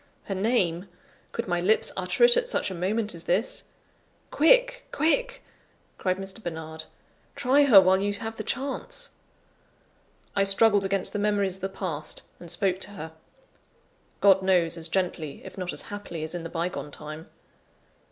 Her name! Could my lips utter it at such a moment as this? "Quick! quick!" cried Mr. Bernard. "Try her while you have the chance." I struggled against the memories of the past, and spoke to her God knows as gently, if not as happily, as in the bygone time!